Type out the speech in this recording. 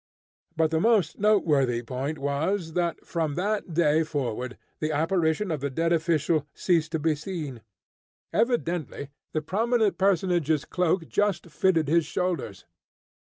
But the most noteworthy point was, that from that day forward the apparition of the dead official ceased to be seen. Evidently the prominent personage's cloak just fitted his shoulders.